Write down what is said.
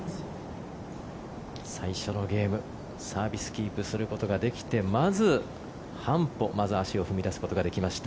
最初のゲームサービスキープすることができてまず半歩足を踏み出すことができました。